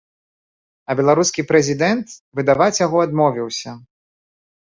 А беларускі прэзідэнт выдаваць яго адмовіўся.